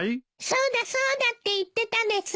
「そうだそうだ」って言ってたです。